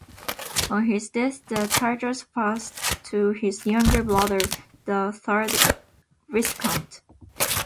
On his death the titles passed to his younger brother, the third Viscount.